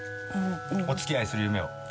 「お付き合いする夢を。